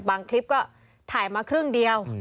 คลิปก็ถ่ายมาครึ่งเดียว